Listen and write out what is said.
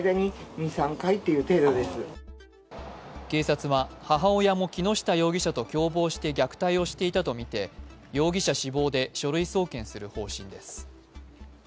警察は母親も木下容疑者と共謀して虐待をしていたとみて、容疑者死亡で書類送検する方針です。